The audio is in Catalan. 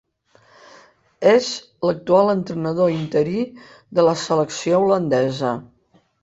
És l'actual entrenador interí de la selecció holandesa.